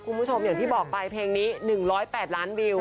คุณผู้ชมอย่างที่บอกไปเพลงนี้๑๐๘ล้านวิว